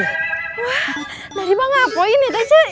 wah dari bang apoy nih tuh cuk